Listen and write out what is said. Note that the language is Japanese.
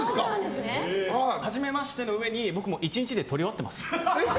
はじめましてのうえに僕もう１日で撮り終わっています。